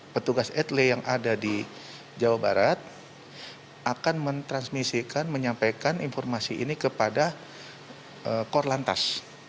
petugas etle yang ada di jawa barat akan mentransmisikan menyampaikan informasi ini kepada korlantas